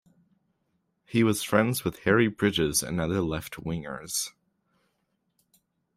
He was friends with Harry Bridges and other leftwingers.